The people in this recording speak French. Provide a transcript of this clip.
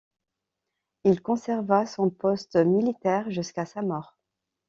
Il conserva son poste militaire jusqu'à sa mort.